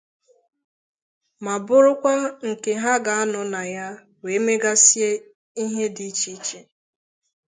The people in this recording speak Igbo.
ma bụrụkwa nke ha ga-anọ na ya wee megasịa ihe dị iche iche